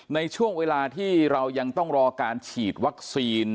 ในช่วงเวลาที่เรายังต้องรอการฉีดวัคซีน